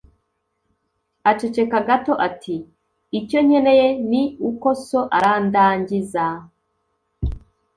Aceceka gato ati: "Icyo nkeneye ni uko so arandangiza".